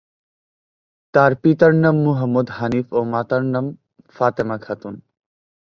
তার পিতার নাম মোহাম্মদ হানিফ ও মাতার নাম ফাতেমা খাতুন।